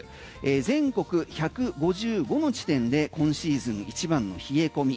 全国１５５の地点で今シーズン一番の冷え込み。